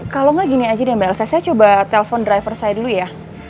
kalo gak gini aja deh mbak elsa saya coba telfon driver saya dulu ya